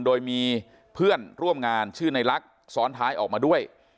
โดยมีเพื่อนร่วมงานชื่อในลักษณ์ซ้อนท้ายออกมาด้วย